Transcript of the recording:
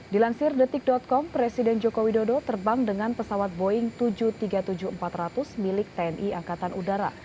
dilansir detik com presiden joko widodo terbang dengan pesawat boeing tujuh ratus tiga puluh tujuh empat ratus milik tni angkatan udara